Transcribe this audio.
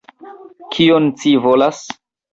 Kion ci volas?